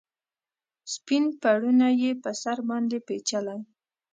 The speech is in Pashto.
سپین پوړنې یې پر سر باندې پیچلي